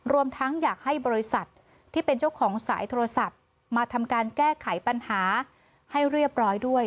รวมทั้งอยากให้บริษัทที่เป็นเจ้าของสายโทรศัพท์มาทำการแก้ไขปัญหาให้เรียบร้อยด้วย